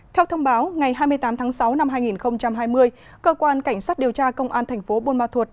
theo thông báo ngày hai mươi tám tháng sáu năm hai nghìn hai mươi cơ quan cảnh sát điều tra công an thành phố buôn ma thuột